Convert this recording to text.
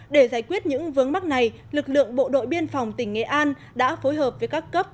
để giải quyết những vướng mắt này lực lượng bộ đội biên phòng tỉnh nghệ an đã phối hợp với các cấp